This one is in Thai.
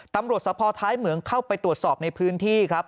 สะพอท้ายเหมืองเข้าไปตรวจสอบในพื้นที่ครับ